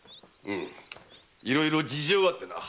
いろいろ事情があってな。